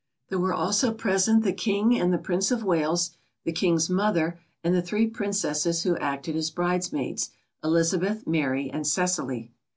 There were also present the King and the Prince of Wales, the King's mother, and the three Princesses who acted as bridemaids, Elizabeth, Mary, and Cecily.